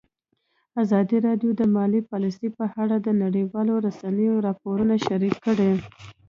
ازادي راډیو د مالي پالیسي په اړه د نړیوالو رسنیو راپورونه شریک کړي.